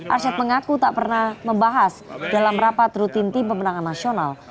arsyad mengaku tak pernah membahas dalam rapat rutin tim pemenangan nasional